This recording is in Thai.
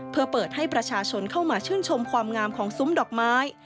เพื่อเปิดให้ประชาชนเข้ามาชื่นชมความงามของซุ้มดอกไม้